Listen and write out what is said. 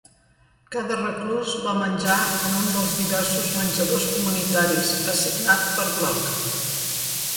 Cada reclús va menjar en un dels diversos menjadors comunitaris, assignat per bloc.